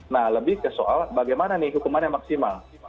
nah lebih ke soal bagaimana hukuman yang maksimal